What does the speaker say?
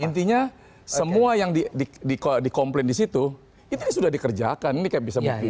intinya semua yang di komplain di situ itu sudah dikerjakan ini captain bisa bukti